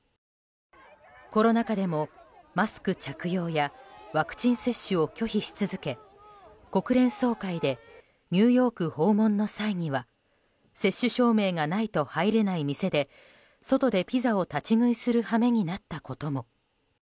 コロナ禍でもマスク着用やワクチン接種を拒否し続け国連総会でニューヨーク訪問の際には接種証明がないと入れない店で外でピザを立ち食いする羽目になったことも。